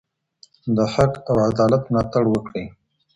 د حق او عدالت ملاتړ وکړئ.